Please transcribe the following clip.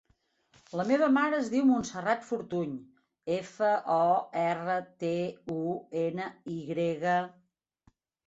La meva mare es diu Montserrat Fortuny: efa, o, erra, te, u, ena, i grega.